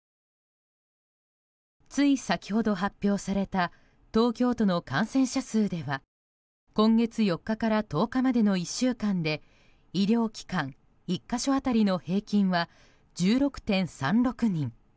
つい先ほど発表された東京都の感染者数では今月４日から１０日までの１週間で医療機関１か所当たりの平均は１６．３６人。